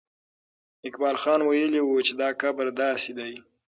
اقبال خان ویلي وو چې دا قبر داسې دی.